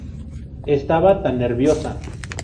Estaba tan nerviosa".